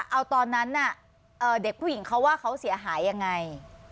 เอาตอนนั้นเด็กผู้หญิงเขาว่าเขาเสียหายยังไง